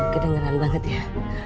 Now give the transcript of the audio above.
kedengeran banget ya